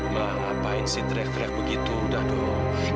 ma ngapain si drek drek begitu udah dong